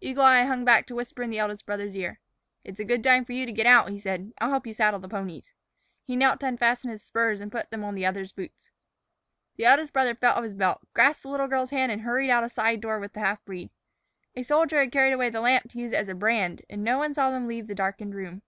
Eagle Eye hung back to whisper in the eldest brother's ear. "It's a good time for you to get out," he said. "I'll help you saddle the ponies." He knelt to unfasten his spurs and put them on the other's boots. The eldest brother felt of his belt, grasped the little girl's hand, and hurried out of a side door with the half breed. A soldier had carried away the lamp to use it as a brand, and no one saw them leave the darkened room.